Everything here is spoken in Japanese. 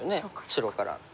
白から。